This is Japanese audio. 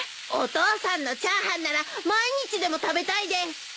お父さんのチャーハンなら毎日でも食べたいです！